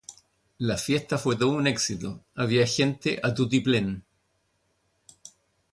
La fiesta fue todo un éxito, había gente a tutiplén